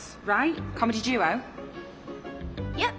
はい。